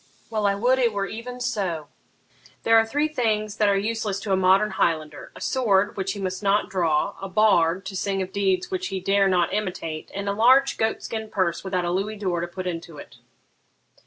Well, I would it were even so: there are three things that are useless to a modern Highlander, a sword which he must not draw, a bard to sing of deeds which he dare not imitate, and a large goat skin purse without a louis d'or to put into it.'